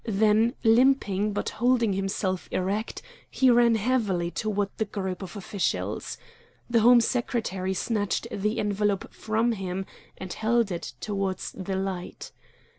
Then limping, but holding himself erect, he ran heavily toward the group of officials. The Home Secretary snatched the envelope from him, and held it toward the light.